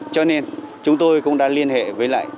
cho nên chúng tôi cũng đã liên hệ với lại